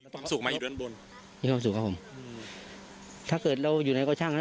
ความสุขไหมอยู่ด้านบนความสุขครับผมถ้าเกิดเราอยู่ไหนก็ช่าง